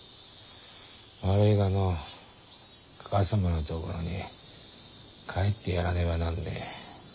悪いがのかか様のところに帰ってやらねばなんねえ。